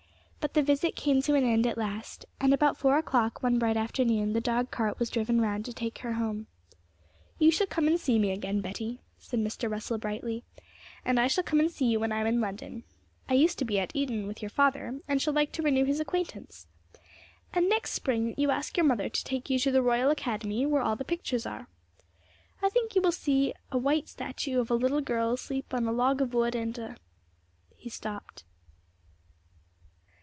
But the visit came to an end at last, and about four o'clock one bright afternoon the dog cart was driven round to take her home, 'You shall come and see me again, Betty,' said Mr. Russell brightly, 'and I shall come and see you when I am in London. I used to be at Eton with your father, and shall like to renew his acquaintance. And next spring you ask your mother to take you to the Royal Academy, where all the pictures are. I think you will see a white statue of a little girl asleep on a log of wood, and a ' He stopped.